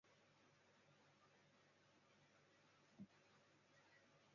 出生于美国加州的莫德斯托。